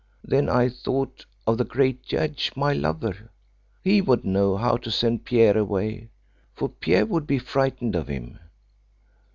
Then I thought of the great judge, my lover. He would know how to send Pierre away, for Pierre would be frightened of him.